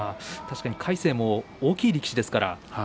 確かに魁聖も大きい力士です。